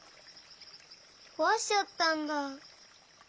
こわしちゃったんだ。